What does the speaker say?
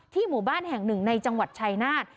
หมู่บ้านแห่งหนึ่งในจังหวัดชายนาฏ